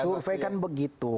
survei kan begitu